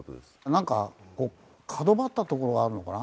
なんかこう角張ったところがあるのかな？